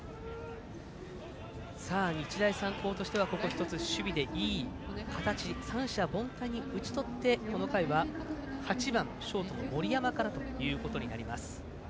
日大三高としてはここ１つ、守備でいい形三者凡退に打ち取ってこの回は８番、ショートの森山からということになります。